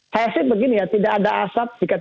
saya sih begini ya tidak ada asap jika tidak ada api